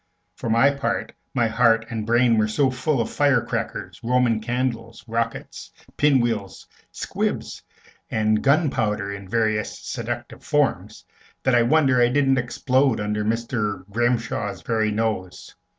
For my part, my heart and brain were so full of fire crackers, Roman candles, rockets, pin wheels, squibs, and gunpowder in various seductive forms, that I wonder I didn't explode under Mr. Grimshaw's very nose.